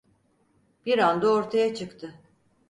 Bir anda ortaya çıktı.